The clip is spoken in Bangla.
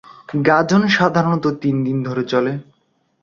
গাজন সাধারণত তিনদিন ধরে চলে।